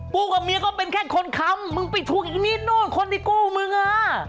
กูกับเมียก็เป็นแค่คนคัมมึงไปทุกอีกนิดนู้นคนดีกลู้ดิวอะ